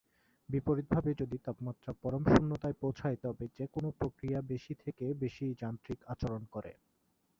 বিপরীতভাবে যদি তাপমাত্রা পরম শূন্যতায় পৌছায় তবে যেকোনো প্রক্রিয়া বেশি থেকে বেশি যান্ত্রিক আচরণ করে।